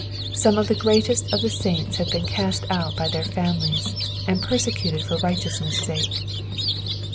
Some of the greatest of the saints have been cast out by their fsmilies, and persecuted for righteousnesB' sake.